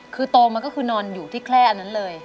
คือโตมาก็คือนอนอยู่ที่แคล่อันนั้นเลย